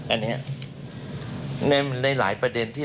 อันเนี่ยมีหลายประเด็นที่